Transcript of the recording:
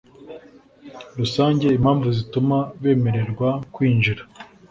Rusange Impamvu zituma bemererwa kwinjira